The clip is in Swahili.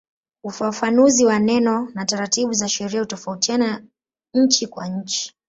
Ufafanuzi wa neno na taratibu za sheria hutofautiana nchi kwa nchi.